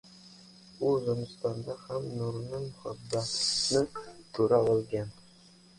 U zimistonda ham nurni, muhabbatni ko‘ra olgan.